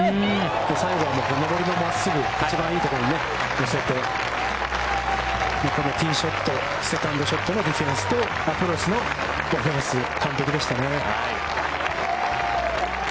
最後は上りの真っすぐ、一番いいところに寄せて、このティーショット、セカンドショット、アプローチのオフェンス、完璧でしたね。